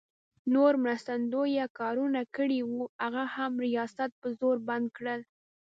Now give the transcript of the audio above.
نور مرستندویه کارونه کړي وو، هغه هم ریاست په زور بند کړل.